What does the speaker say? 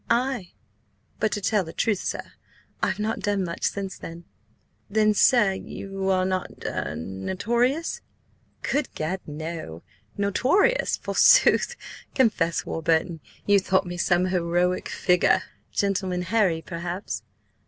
Ay, but to tell the truth, sir, I've not done much since then!" "Then, sir, you are not–er–notorious?" "Good gad, no! Notorious, forsooth! Confess, Warburton, you thought me some heroic figure? 'Gentleman Harry,' perhaps?"